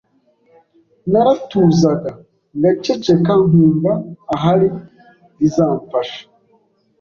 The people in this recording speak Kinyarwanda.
Naratuzaga, ngaceceka nkumva ahari bizamfasha.